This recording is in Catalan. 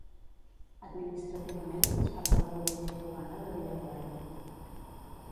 Administrativament, és part de la província cubana de Villa Clara.